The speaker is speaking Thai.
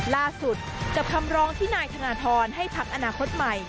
กับคำร้องที่นายธนทรให้พักอนาคตใหม่